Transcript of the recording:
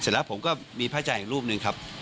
เสร็จแล้วผมก็มีพระอาจารย์อีกรูปหนึ่งครับ